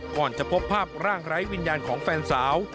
ก่อนจะพบภาพร่างไร้วิญญาณของแฟนสาว